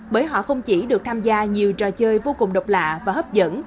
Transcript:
bởi họ không chỉ được tham gia nhiều trò chơi vô cùng độc lạ và hấp dẫn